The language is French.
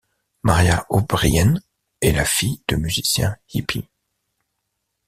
Mariah O'Brien est la fille de musiciens hippies.